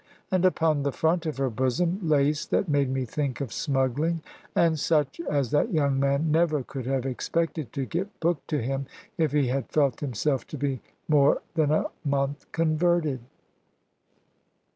And upon the front of her bosom, lace that made me think of smuggling; and such as that young man never could have expected to get booked to him, if he had felt himself to be more than a month converted.